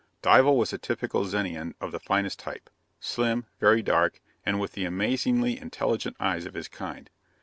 Dival was a typical Zenian of the finest type: slim, very dark, and with the amazingly intelligent eyes of his kind.